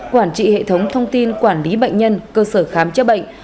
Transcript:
quản trị hệ thống thông tin quản lý bệnh nhân cơ sở khám chữa bệnh